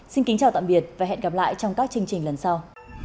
xin kính chào tạm biệt và hẹn gặp lại trong các chương trình lần sau